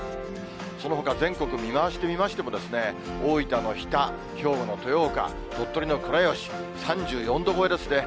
そのほか全国見回してみましても、大分の日田、兵庫の豊岡、鳥取の倉吉、３４度超えですね。